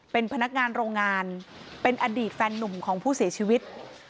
เป็นพนักงานโรงงานเป็นอดีตแฟนนุ่มของผู้เสียชีวิต